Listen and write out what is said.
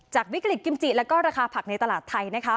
วิกฤตกิมจิแล้วก็ราคาผักในตลาดไทยนะคะ